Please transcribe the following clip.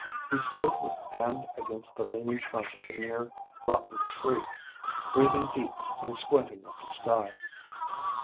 He stood with hand against the leaning trunk of a near rotten tree, breathing deep and squinting at the sky.